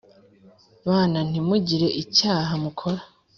Bana ntimugire icyaha mukora